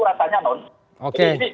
jadi ini saya butuh kemauan politik